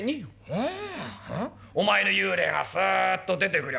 「ああ。お前の幽霊がすっと出てくりゃ